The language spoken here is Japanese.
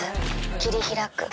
切り開く